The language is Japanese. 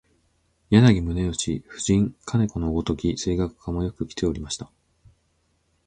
柳宗悦、夫人兼子のごとき声楽家もよくきておりました